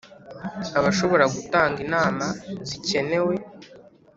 Abashobora gutanga inama zikenewe